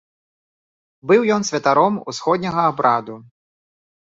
Быў ён святаром усходняга абраду.